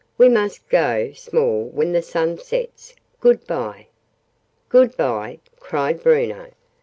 We must go small when the sun sets. Good bye!" "Good bye!" cried Bruno.